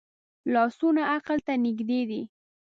لاسونه عقل ته نږدې دي